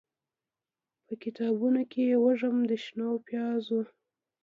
به کتابونوکې یې، وږم د شنو پیازو